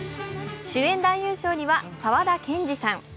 主演男優賞には沢田研二さん。